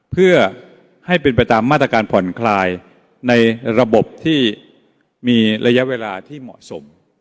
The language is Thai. เพื่อให้เป็นไปตามมาตรการผ่อนคลายในระบบที่มีระยะเวลาที่เหมาะสม